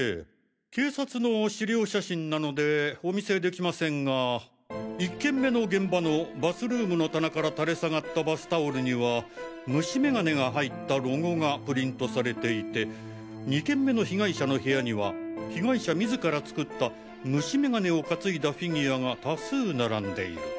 警察の資料写真なのでお見せできませんが１件目の現場のバスルームの棚から垂れ下がったバスタオルには虫眼鏡が入ったロゴがプリントされていて２件目の被害者の部屋には被害者自ら作った虫眼鏡を担いだフィギュアが多数並んでいる。